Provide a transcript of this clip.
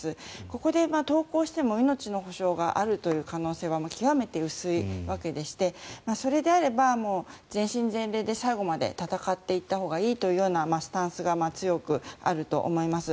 ここで投降しても命の保証があるという可能性は極めて薄いわけでしてそれであればもう全身全霊で最後まで戦っていたほうがいいというスタンスが強くあると思います。